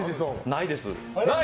ないです。